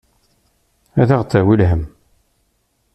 Ad aɣ-d-tawi lhemm.